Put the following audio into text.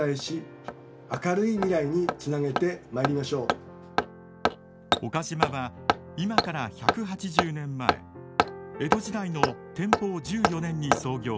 是非岡島は今から１８０年前江戸時代の天保１４年に創業。